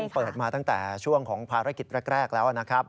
เปิดมาตั้งแต่ช่วงของภารกิจแรกแล้วนะครับ